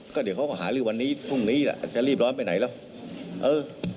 ก็เดี๋ยวเขาก็หาลือวันนี้พรุ่งนี้แหละจะรีบร้อนไปไหนแล้วเออ